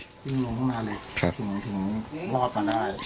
ถึงรอดมาได้